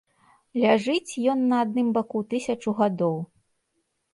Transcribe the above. Ляжыць ён на адным баку тысячу гадоў.